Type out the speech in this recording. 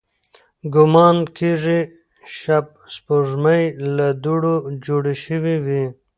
ګومان کېږي، شبح سپوږمۍ له دوړو جوړې شوې وي.